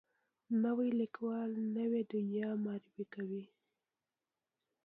نوی لیکوال نوې دنیا معرفي کوي